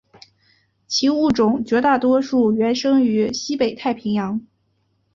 其物种绝大多数原生于西北太平洋。